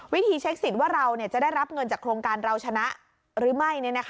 วิธีเช็คสิทธิ์ว่าเราจะได้รับเงินจากโครงการเราชนะหรือไม่